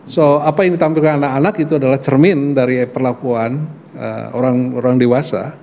so apa yang ditampilkan anak anak itu adalah cermin dari perlakuan orang dewasa